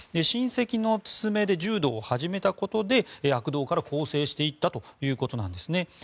親戚のすすめで柔道を始めたことで悪童から更正していったということなんですね。